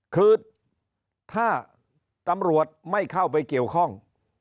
คือถ้าตำรวจไม่เข้าไปเกี่ยวข้อง